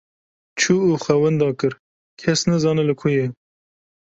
Çû û xwe wenda kir, kes nizane li ku ye.